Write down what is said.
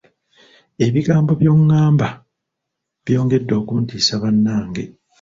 Ebigambo byongamba byongedde okuntiisa bannange.